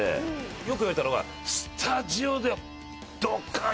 よく言われたのが「スタジオではドッカーン！